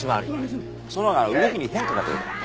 そのほうが動きに変化が出るから。